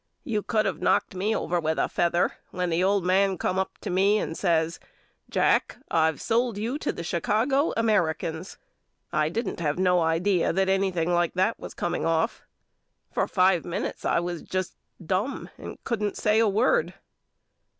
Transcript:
You could of knocked me over with a feather when the old man come up to me and says Jack I've sold you to the Chicago Ameri cans. I didn't have no idea that anything like that was coming off. For five minutes I was just dum and couldn't say a word.